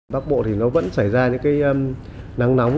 bắc bộ thì nó vẫn xảy ra những cái nắng nóng